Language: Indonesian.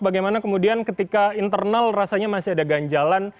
bagaimana kemudian ketika internal rasanya masih ada ganjalan